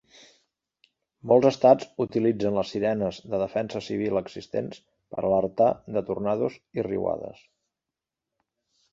Molts estats utilitzen les sirenes de defensa civil existents per alertar de tornados i riuades.